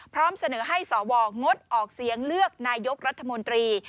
พร้อมเสนอให้สวงดออกเสียงเลือกนายกรัฐมนตรี